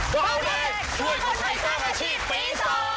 บาวแดงช่วยคนไทยสร้างอาชีพปี๒